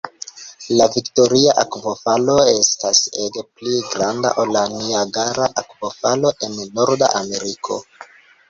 La Viktoria-akvofalo estas ege pli granda ol la Niagara Akvofalo en Norda Ameriko.